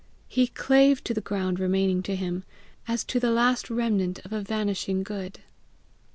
He clave to the ground remaining to him, as to the last remnant of a vanishing good.